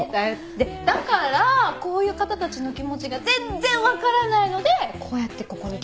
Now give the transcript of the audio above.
だからこういう方たちの気持ちが全然分からないのでこうやってここに来てるんじゃないですか。